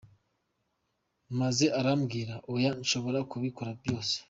Maze arambwira, Oya, nshobora kubikora byose.